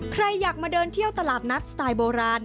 ใครอยากมาเดินเที่ยวตลาดนัดสไตล์โบราณ